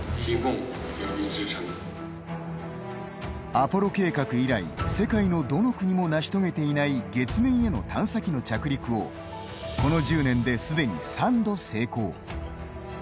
アポロ計画以来世界のどの国も成し遂げていない月面への探査機の着陸をこの１０年ですでに３度成功。